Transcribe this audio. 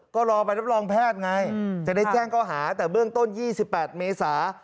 ก็รอไปรับรองแพทย์ไงจะได้แจ้งข้อหาแต่เบื้องต้น๒๘เมษา